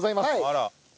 あら！